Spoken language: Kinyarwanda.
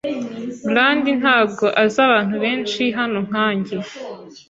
Brad ntabwo azi abantu benshi hano nkanjye.